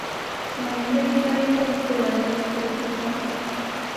Manya engeri gy’oyinza okwewala abafere ku ttaka.